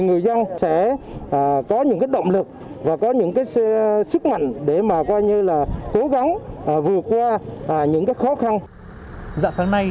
người dân sẽ có những động lực và có những sức mạnh để cố gắng vượt qua những khó khăn